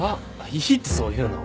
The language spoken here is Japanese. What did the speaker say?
いいってそういうの。